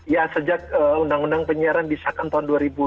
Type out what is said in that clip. ya sejak undang undang penyiaran disahkan tahun dua ribu dua